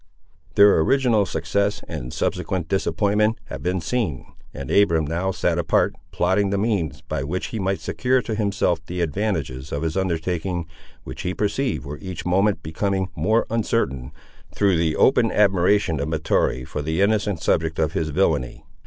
Their original success and subsequent disappointment have been seen; and Abiram now sat apart, plotting the means, by which he might secure to himself the advantages of his undertaking, which he perceived were each moment becoming more uncertain, through the open admiration of Mahtoree for the innocent subject of his villany.